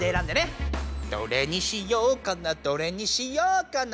「どれにしようかなどれにしようかな」